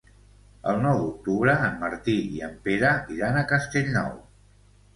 El nou d'octubre en Martí i en Pere iran a Castellnou.